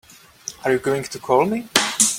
Are you going to call me?